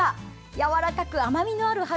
やわらかく甘みのある春